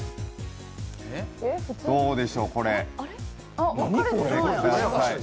どうでしょう、これ。